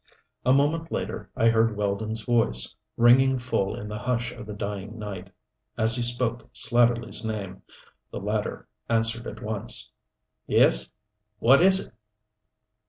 A moment later I heard Weldon's voice, ringing full in the hush of the dying night, as he spoke Slatterly's name. The latter answered at once. "Yes. What is it?"